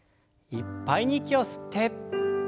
いっぱいに息を吸って。